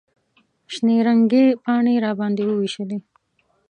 شنې رنګې پاڼې یې راباندې ووېشلې.